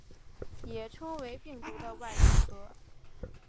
也称为病毒的外衣壳。